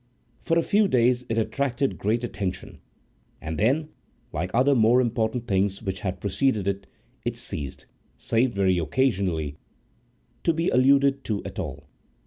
For a few days it attracted great attention; and then, like other more important things which had preceded it, it ceased, save very occasionally, to be alluded to at all.